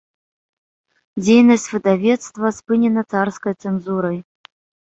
Дзейнасць выдавецтва спынена царскай цэнзурай.